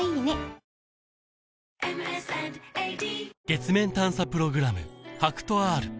月面探査プログラム